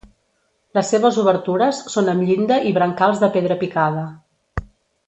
Les seves obertures són amb llinda i brancals de pedra picada.